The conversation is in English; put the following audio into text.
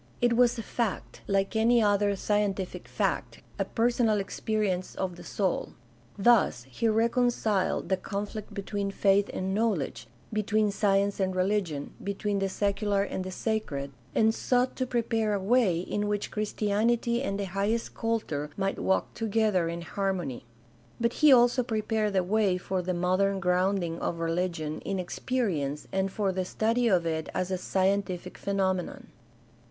It was a fact, like any other scien tific fact, a personal experience of the soul; thus he reconciled the conflict between faith and knowledge, between science and religion, between the secular and the sacred, and ''sought to prepare a way in which Christianity and the highest culture might walk together in harmony." But he also prepared the way for the modern grounding of religion in experience and for the study of it as a scientific phenomenon.